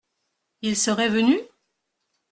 Ils seraient venus ?